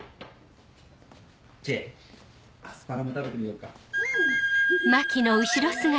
知恵アスパラも食べてみようか。